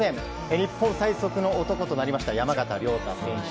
日本最速の男となりました山縣亮太選手。